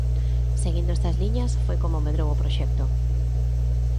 Seguindo estas liñas foi como medrou o proxecto.